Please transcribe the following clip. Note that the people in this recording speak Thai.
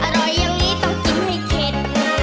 อร่อยอย่างนี้ต้องกินให้เข็ด